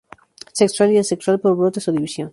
Sexual y asexual, por brotes o división.